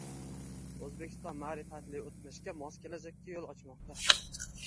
O‘zbekiston ma’rifatli o‘tmishga mos kelajakka yo‘l ochmoqda!